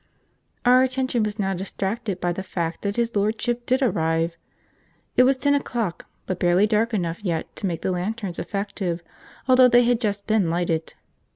Our attention was now distracted by the fact that his ludship did arrive. It was ten o'clock, but barely dark enough yet to make the lanterns effective, although they had just been lighted.